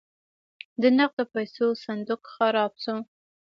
د نغدو پیسو صندوق خراب شو.